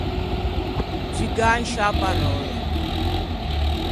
Zugâ in sciâ paròlla.